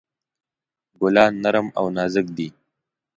ګلان نرم او نازک دي.